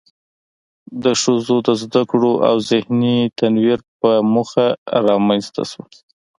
د ښځو د زده کړو او ذهني تنوير په موخه رامنځ ته شوه.